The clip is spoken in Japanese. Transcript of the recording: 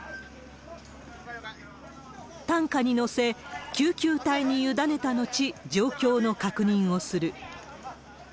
担架に乗せ、救急隊に委ねた後、状況の確認をする。